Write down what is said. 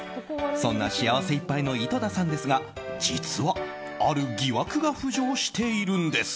そんな幸せいっぱいの井戸田さんですが実は、ある疑惑が浮上しているんです。